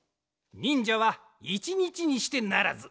にんじゃはいちにちにしてならず。